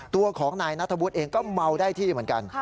ตัวของนายนัทธวุฒิเองก็เมาได้ที่เหมือนกัน